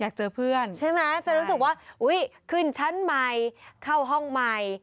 อยากเจอเพื่อนใช่ไหมจะรู้สึกว่าอุ๊ยขึ้นชั้นใหม่เข้าห้องใหม่